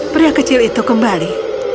pria kecil itu kembali